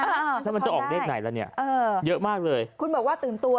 สะท้อนได้อ๋อมันจะออกเลขไหนละเนี่ยเยอะมากเลยคุณบอกว่าตื่นตัว